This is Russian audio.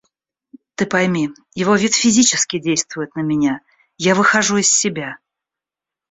Ты пойми, его вид физически действует на меня, я выхожу из себя.